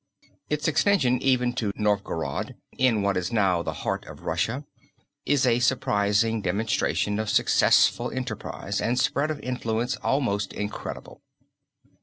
Its extension even to Novgorod, in what is now the heart of Russia is a surprising demonstration of successful enterprise and spread of influence almost incredible.